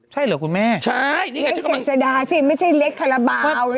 ใช่หรือคุณแม่เล็กเจษดาสิไม่ใช่เล็กขระเบา